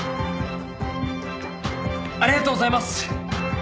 ありがとうございます。